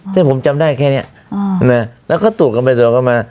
ที่ผมจำได้แค่เนี่ยแล้วก็ตูดกันไปตัวกันมา